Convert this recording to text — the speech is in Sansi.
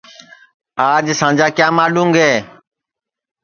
آج سانجا کیا ماڈُؔں گے